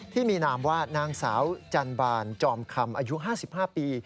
ที่มีนามว่านางสาวจันบาลจอมคำอายุ๕๕ปี